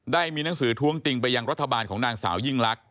ได้มีหนังสือท้วงติงไปยังรัฐบาลของนางสาวยิ่งลักษ